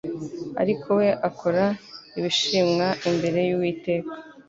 Ariko we akora ibishimwa imbere y Uwiteka